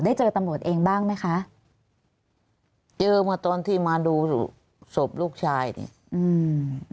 เจอตำรวจเองบ้างไหมคะเจอมาตอนที่มาดูศพลูกชายนี่อืม